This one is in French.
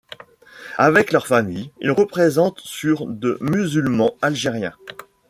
Avec leurs familles, ils représentent sur de musulmans algériens.